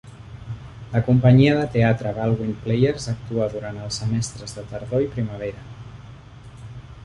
La companyia de teatre Baldwin Players actua durant els semestres de tardor i primavera.